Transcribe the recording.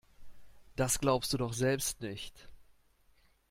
Das glaubst du doch selbst nicht.